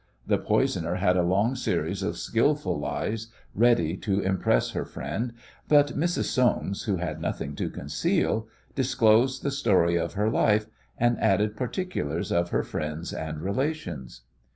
The poisoner had a long series of skilful lies ready to impress her friend, but Mrs. Soames, who had nothing to conceal, disclosed the story of her life, and added particulars of her friends and relations.